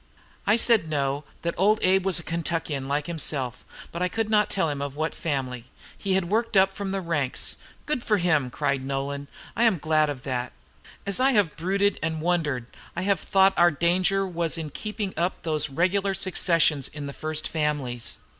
I said no, that Old Abe was a Kentuckian like himself, but I could not tell him of what family; he had worked up from the ranks. 'Good for him!' cried Nolan; 'I am glad of that. As I have brooded and wondered, I have thought our danger was in keeping up those regular successions in the first families.'